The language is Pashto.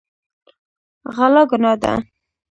غلا ګناه ده.